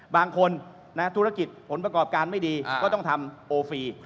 บางคนธุรกิจผลประกอบการไม่ดีก็ต้องทำโอฟรี